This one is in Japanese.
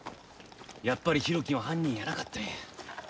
やっぱり浩喜は犯人やなかったんや。